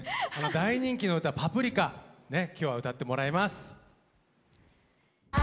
大人気の歌「パプリカ」今日は歌ってもらいます。